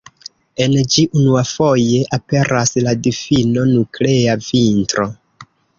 En ĝi unuafoje aperas la difino Nuklea Vintro.